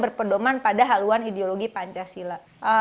berpedoman pada haluan ideologi pancasila